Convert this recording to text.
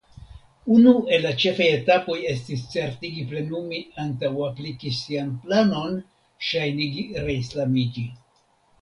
Unu el la ĉefaj etapoj estis certigi plenumi antaŭ apliki sian planon ŝajnigi reislamiĝi.